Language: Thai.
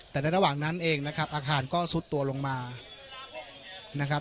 แต่ในระหว่างนั้นเองนะครับอาคารก็ซุดตัวลงมานะครับ